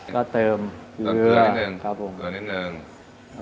ก็เติมเผื่อนิดนึงแล้วก็ชิคกี้พายดำ